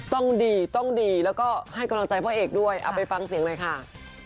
ต้องดีต้องดีแล้วก็ให้กำลังใจพ่อเอกด้วยเอาไปฟังเสียงหน่อยค่ะ